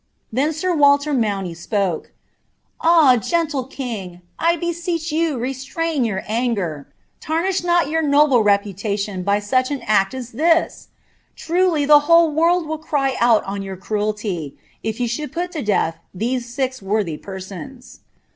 Then v Waller Mauny spoke :— 'Ah, gentle king. I beseech yoo reArvin yow anger. Taniisfa not your noble reputation by such an Mt m ibitt Truly, the whole world will cry owl on yout enielty, if you sbaauld pot to death these six worthy persons.